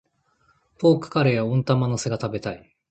ポークカレー、温玉乗せが食べたい。